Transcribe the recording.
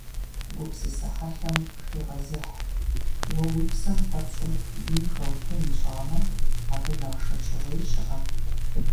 Гупсысэ хьэлъэм къыхегъэзыхь: уэ уи псэм пэпщӀыр бийм хэутэн ищӀамэ, абы нэхъ шэчыгъуей щыӀэ?!